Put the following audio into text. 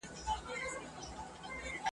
د لېوه زوی نه اموخته کېږي !.